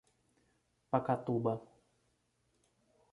Pacatuba